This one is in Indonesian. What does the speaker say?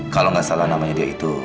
kalau nggak salah namanya dia itu